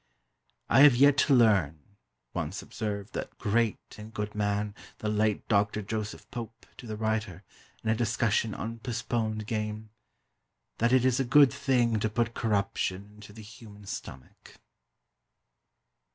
"I have yet to learn" once observed that great and good man, the late Doctor Joseph Pope, to the writer, in a discussion on "postponed" game, "that it is a good thing to put corruption into the human stomach."